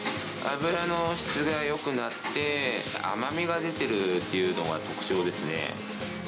脂の質がよくなって、甘みが出てるというのが特徴ですね。